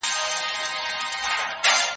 دا خبره د ملا په ذهن کې وه.